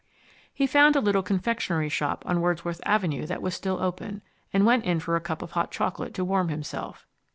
He found a little confectionery shop on Wordsworth Avenue that was still open, and went in for a cup of hot chocolate to warm himself.